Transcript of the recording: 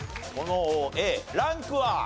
このＡランクは？